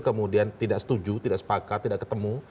kemudian tidak setuju tidak sepakat tidak ketemu